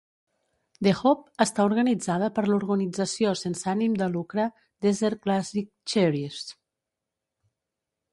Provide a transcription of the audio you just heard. "The Hope" està organitzada per l'organització sense ànim de lucre Desert Classic Charities.